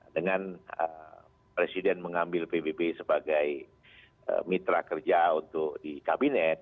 dengan presiden mengambil pbb sebagai mitra kerja untuk di kabinet